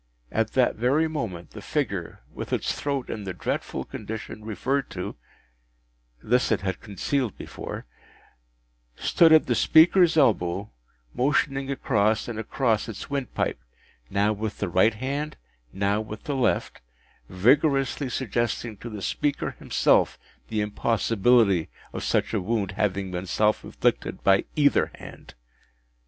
At that very moment, the figure, with its throat in the dreadful condition referred to (this it had concealed before), stood at the speaker’s elbow, motioning across and across its windpipe, now with the right hand, now with the left, vigorously suggesting to the speaker himself the impossibility of such a wound having been self inflicted by either hand.